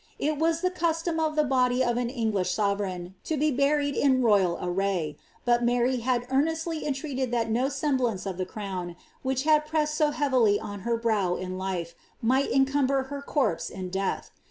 It was the custom for the body of an English »vereign to be buried in royal array, but Mary had earnestly entreated at no semblance of the crown, which had pressed so heavily on her ow in life, might encumber her corpse in death.